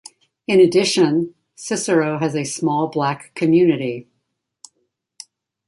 In addition, Cicero has a small black community.